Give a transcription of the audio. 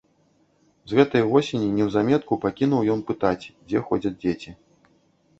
З гэтай восені неўзаметку пакінуў ён пытаць, дзе ходзяць дзеці.